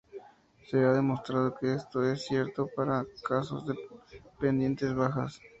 Se ha demostrado que esto es cierto para casos de pendientes bajas.